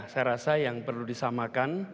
saya rasa yang perlu disamakan